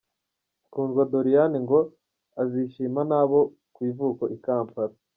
Kundwa Doriane ngo azishimana n’abo ku ivuko i Kampala….